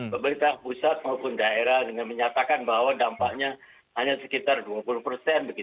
pemerintah pusat maupun daerah dengan menyatakan bahwa dampaknya hanya sekitar dua puluh persen